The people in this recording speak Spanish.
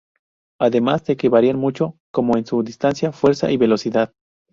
Además de que varían mucho; como en su distancia, fuerza y velocidad.